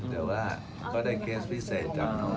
แต่ว่าก็ได้เคสพิเศษจากน้องน้องเบอร์